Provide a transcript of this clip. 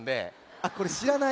あっこれしらない？